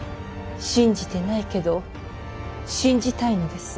信じてないけど信じたいのです。